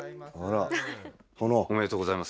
おめでとうございます。